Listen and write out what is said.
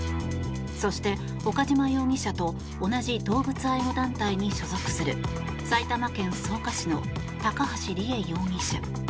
そして、岡島容疑者と同じ動物愛護団体に所属する埼玉県草加市の高橋里衣容疑者。